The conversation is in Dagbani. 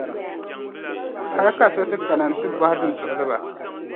hal ka so ti kana n-ti bɔhi din tuɣili ba.